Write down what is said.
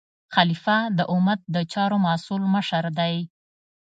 خلیفه د امت د چارو مسؤل مشر دی.